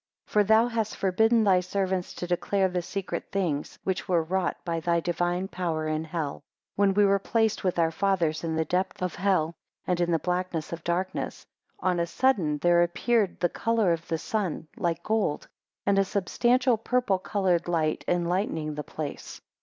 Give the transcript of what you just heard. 2 For thou hast forbidden thy servants to declare the secret things, which were wrought by thy divine power in hell. 3 When we were Placed with our fathers in the depth of hell, in the blackness of darkness, on a sudden there appeared the colour of the sun like gold, and a substantial purple coloured light enlightening the place.